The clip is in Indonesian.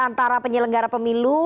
antara penyelenggara pemilu